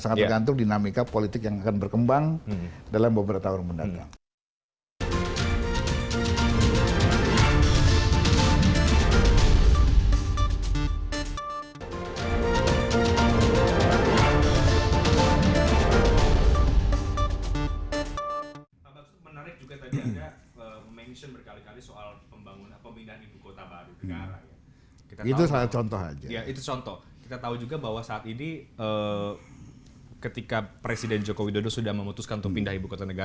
sangat tergantung dinamika politik yang akan berkembang dalam beberapa tahun mendatang